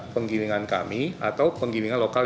penggilingan kami atau penggilingan lokal